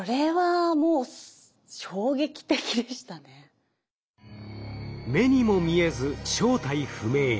それが目にも見えず正体不明。